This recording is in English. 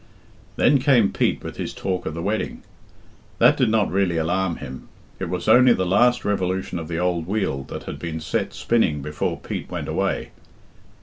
Then came Pete with his talk of the wedding. That did not really alarm him. It was only the last revolution of the old wheel that had been set spinning before Pete went away.